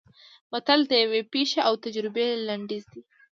متل د یوې پېښې او تجربې لنډیز دی